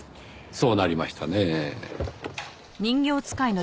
そうなりましたねぇ。